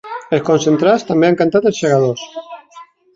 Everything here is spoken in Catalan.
Els concentrats també han cantat ‘Els Segadors’.